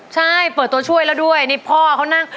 ใช่เปิดตัวช่วยแล้วด้วยนี่พ่อเขานั่ง